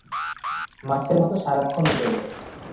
মাছের মত সারাক্ষণ গেলে!